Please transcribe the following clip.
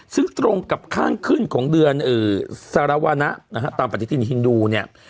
ซึ่งตรงกับข้างขึ้นของเดือนศรวณะตามปฏิสินธุ์ฮินดูเนี่ย